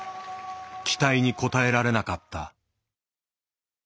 期待に応えられなかった。